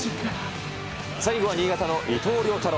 最後は新潟の伊藤涼太郎。